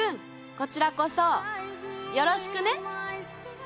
こちらこそよろしくね！